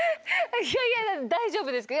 いやいや大丈夫ですけど。